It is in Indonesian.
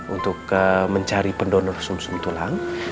untuk mencari pendonor sum sum tulang